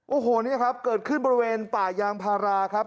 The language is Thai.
โอ้โหนี่ครับเกิดขึ้นบริเวณป่ายางพาราครับ